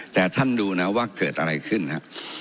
แต่ท่านดูนะว่าเกิดอะไรขึ้นฮะ